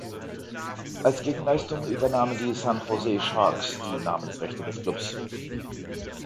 Als Gegenleistung übernahmen die San Jose Sharks die Namensrechte des Klubs.